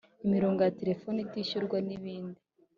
imirongo ya telefoni itishyurwa n’ibindi.